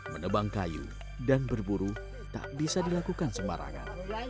menebang kayu dan berburu tak bisa dilakukan sembarangan